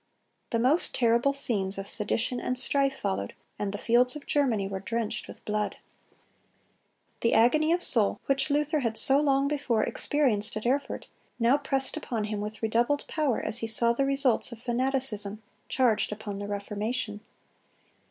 The most terrible scenes of sedition and strife followed, and the fields of Germany were drenched with blood. The agony of soul which Luther had so long before experienced at Erfurt, now pressed upon him with redoubled power as he saw the results of fanaticism charged upon the Reformation.